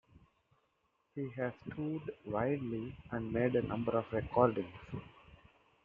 He has toured widely and made a number of recordings.